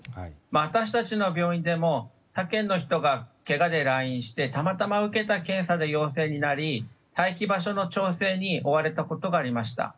私たちの病院でも他県の人がけがで来院してたまたま受けた検査で陽性になり待機場所の調整に追われたことがありました。